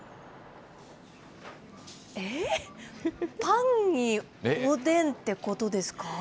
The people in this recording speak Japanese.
えっ、パンにおでんってことですか？